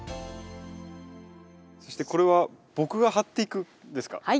そしてこれは僕が貼っていくんですか？